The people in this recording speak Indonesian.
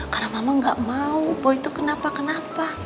karena mama gak mau boy itu kenapa kenapa